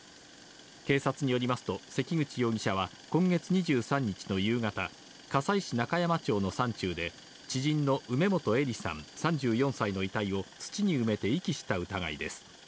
警察によりますと関口容疑者は今月２３日の夕方、加西市中山町の山中で知人の梅本依里さん３４歳の遺体を土に埋めて遺棄した疑いです。